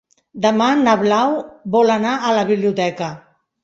Demà na Blau vol anar a la biblioteca.